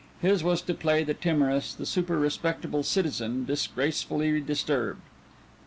His was to play the timorous, the super respectable citizen, disgracefully disturbed.